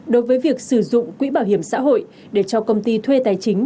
đối với việc sử dụng quỹ bảo hiểm xã hội để cho công ty thuê tài chính